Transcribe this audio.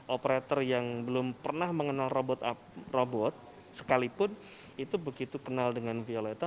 operator yang belum pernah mengenal robot sekalipun itu begitu kenal dengan violet